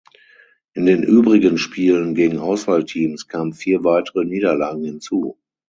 In den übrigen Spielen gegen Auswahlteams kamen vier weitere Niederlagen hinzu.